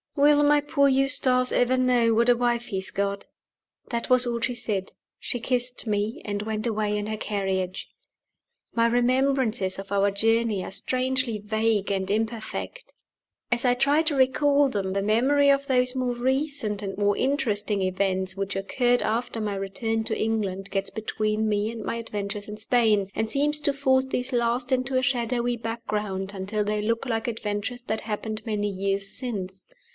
"Will my poor Eustace ever know what a wife he has got?" That was all she said. She kissed me, and went away in her carriage. My remembrances of our journey are strangely vague and imperfect. As I try to recall them, the memory of those more recent and more interesting events which occurred after my return to England gets between me and my adventures in Spain, and seems to force these last into a shadowy background, until they look like adventures that happened many years since.